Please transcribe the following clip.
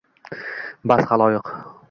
Bas, haloyiq!